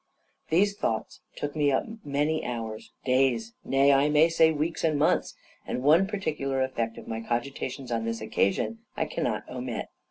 These thoughts took me up many hours, days, nay, I may say weeks and months: and one particular effect of my cogitations on this occasion I cannot omit.